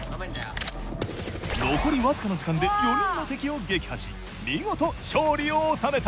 残りわずかの時間で４人の敵を撃破し見事勝利を収めた！